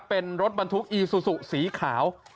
เป็นรถบรรทุกอีซูซูสีขาว